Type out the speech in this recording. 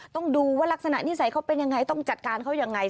ต้องดูว่ารักษณิสัยเขาเป็นยังไงต้องจัดการเขายังไง